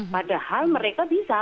padahal mereka bisa